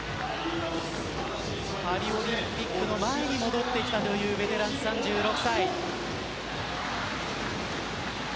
パリオリンピックの前に戻ってきたベテラン３６歳。